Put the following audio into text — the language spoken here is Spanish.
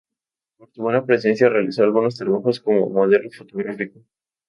Por su buena presencia, realizó algunos trabajos como modelo fotográfico.